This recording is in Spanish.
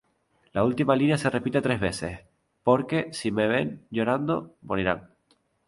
La última línea se repite tres veces, ""Porque, si me ven llorando, morirán"".